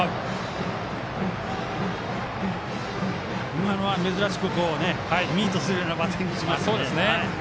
今のは珍しくミートするようなバッティングしましたね。